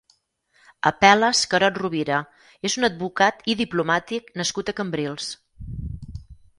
Apel·les Carod-Rovira és un advocat i diplomàtic nascut a Cambrils.